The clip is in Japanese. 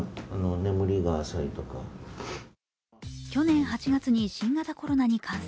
去年８月に新型コロナに感染。